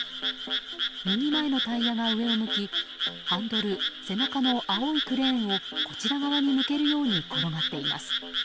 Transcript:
右前のタイヤが上を向きハンドル、背中の青いクレーンをこちら側に向けるように転がっています。